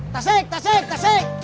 tasik tasik tasik